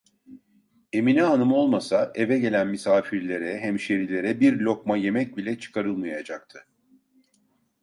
Emine hanım olmasa eve gelen misafirlere, hemşerilere bir lokma yemek bile çıkarılmayacaktı.